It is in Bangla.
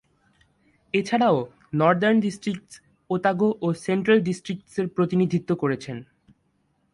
এছাড়াও, নর্দার্ন ডিস্ট্রিক্টস, ওতাগো ও সেন্ট্রাল ডিস্ট্রিক্টসের প্রতিনিধিত্ব করেছেন।